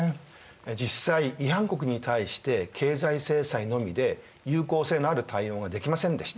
実際違反国に対して経済制裁のみで有効性のある対応ができませんでした。